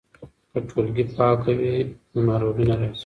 که ټولګې پاکه وي نو ناروغي نه راځي.